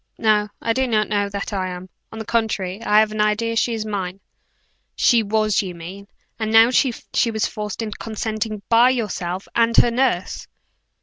"No, I do not know that I am. On the contrary, I have an idea she is mine." "She was, you mean. You know she was forced into consenting by yourself and her nurse!"